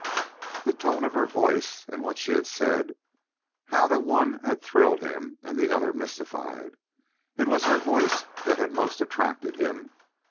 The tone of her voice and what she had said how the one had thrilled him and the other mystified! It was her voice that had most attracted him.